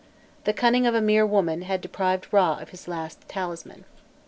The cunning of a mere woman had deprived Râ of his last talisman.